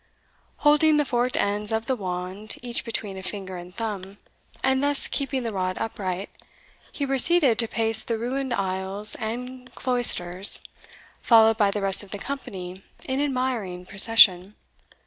Holding the forked ends of the wand, each between a finger and thumb, and thus keeping the rod upright, he proceeded to pace the ruined aisles and cloisters, followed by the rest of the company in admiring procession.